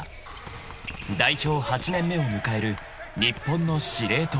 ［代表８年目を迎える日本の司令塔］